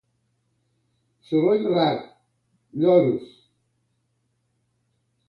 Soroll rar: Lloros.